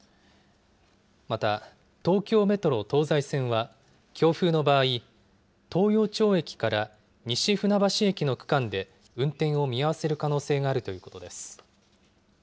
また、東京メトロ東西線は強風の場合東陽町駅から西船橋駅の区間で運転を見合わせる可能性があるということです。